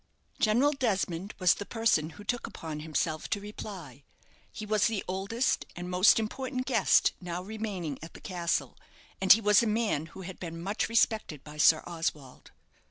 General Desmond was the person who took upon himself to reply. He was the oldest and most important guest now remaining at the castle, and he was a man who had been much respected by Sir Oswald.